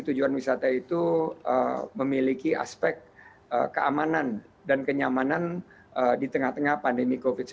tujuan wisata itu memiliki aspek keamanan dan kenyamanan di tengah tengah pandemi covid sembilan belas